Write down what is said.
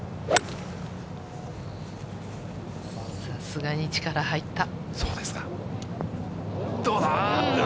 さすがに力入った。